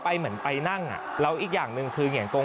เหมือนไปนั่งอ่ะแล้วอีกอย่างหนึ่งคือเหงียนกง